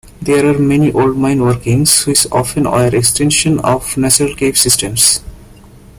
There are many old mine workings, which often were extensions of natural cave systems.